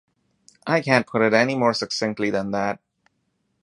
I can't put it any more succinctly than that...